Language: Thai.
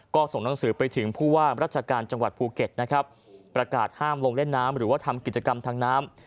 ก็ส่งหนังสือไปถึงผู้ว่าราชการจังหวัดภูเก็ตนะครับประกาศห้ามลงเล่นน้ำหรือว่าทำกิจกรรมทางน้ำ